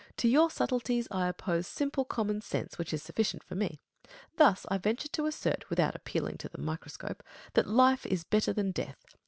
To your subtleties, I oppose simple common sense, which is sufficient for me. Thus, I venture to assert, without appealing to the microscope, that life is better than death.